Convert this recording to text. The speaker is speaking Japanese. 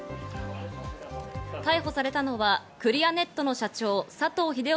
逮捕されたのはクリアネットの社長・佐藤秀臣